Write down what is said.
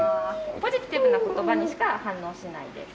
ポジティブな言葉にしか反応しないです。